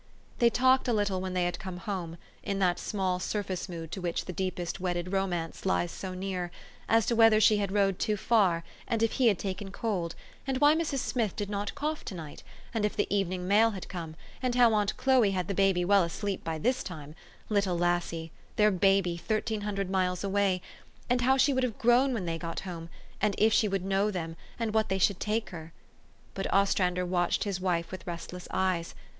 They talked a little when they had come home, in that small surface mood to which the deepest wedded romance lies so near, as to whether she had rowed too far, and if he had taken cold, and why Mrs. Smith did not cough to night, and if the evening mail had come, and how aunt Chloe had the baby well asleep by this time, little lassie ! their babj^, thirteen hundred miles away, and how she would have grown when they got home, and if she would know them, and what they should take her. But Ostrander watched his wife with restless eyes.